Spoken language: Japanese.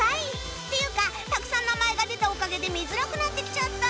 っていうかたくさん名前が出たおかげで見づらくなってきちゃった